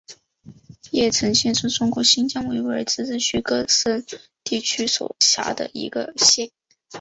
叶城县是中国新疆维吾尔自治区喀什地区所辖的一个县。